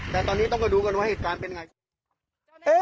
แต่ตอนนี้ต้องไปดูกันว่าเหตุการณ์เป็นไง